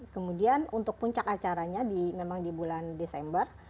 kemudian untuk puncak acaranya memang di bulan desember